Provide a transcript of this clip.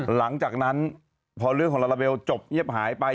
หลังจากนั้นพอเรื่องของลาลาเบลจบเงียบหายไป